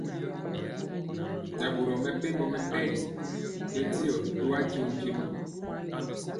Nɛ boro mepempɔ mɛmpegi bɛndiɔ toajeŋg mpiemɔ.